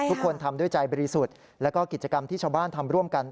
ทุกคนทำด้วยใจบริสุทธิ์แล้วก็กิจกรรมที่ชาวบ้านทำร่วมกัน